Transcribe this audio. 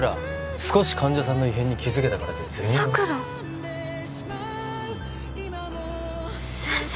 少し患者さんの異変に気づけたからって図に乗る「佐倉」先生